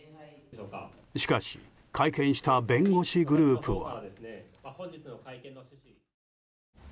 しかし、会見した弁護士グループは。